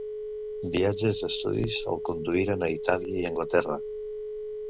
Viatges d'estudis el conduïren a Itàlia i Anglaterra.